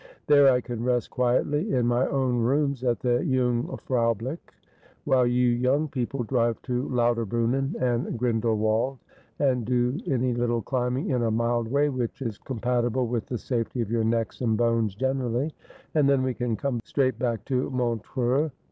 There I can rest quietly in my own rooms at the Jungfraublich, while you young people drive to Lauterbrunnen and Grindel wald, and do any little climbing in a mild way which is com patible with the safety of your necks and bones generally ; and then we can come straight back to Montreux.